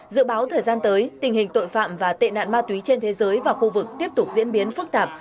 dự báo thời gian tới tình hình tội phạm và tệ nạn ma túy trên thế giới và khu vực tiếp tục diễn biến phức tạp